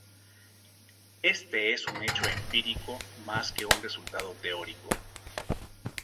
Este es un hecho empírico más que un resultado teórico.